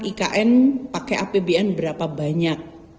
ikn pakai apbn berapa banyak